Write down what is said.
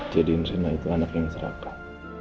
jadiin rina itu anak yang serakah